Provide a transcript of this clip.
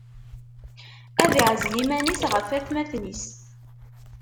Ad iɛzel iman-is ɣef watmaten-is.